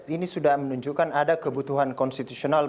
ini sudah menunjukkan ada kebutuhan konstitusional